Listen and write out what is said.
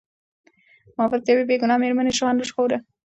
محافظ د یوې بې ګناه مېرمنې ژوند وژغوره.